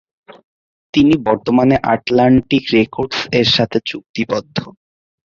তিনি বর্তমানে Atlantic Records এর সাথে চুক্তিবদ্ধ।